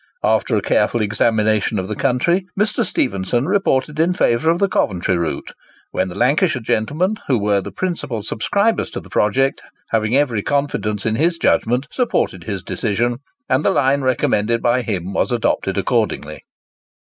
After a careful examination of the country, Mr. Stephenson reported in favour of the Coventry route, when the Lancashire gentlemen, who were the principal subscribers to the project, having every confidence in his judgment, supported his decision, and the line recommended by him was adopted accordingly.